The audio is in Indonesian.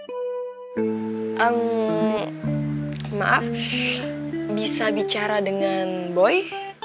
hmm maaf bisa bicara dengan boy